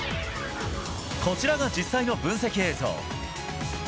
こちらが実際の分析映像。